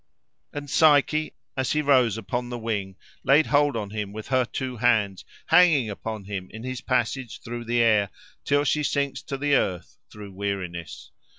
And Psyche, as he rose upon the wing, laid hold on him with her two hands, hanging upon him in his passage through the air, till she sinks to the earth through weariness.